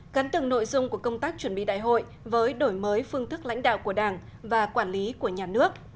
cắn từng nội dung của công tác chuẩn bị đại hội với đổi mới phương thức lãnh đạo của đảng và quản lý của nhà nước